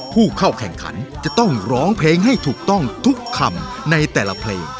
ผู้เข้าแข่งขันจะต้องร้องเพลงให้ถูกต้องทุกคำในแต่ละเพลง